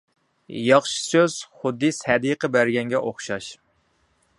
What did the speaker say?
ياخشى سۆز خۇددى سەدىقە بەرگەنگە ئوخشاش.